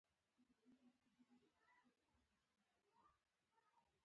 هر څه ګډوډ دي او درواغ تصویرونه را ښکاره کوي.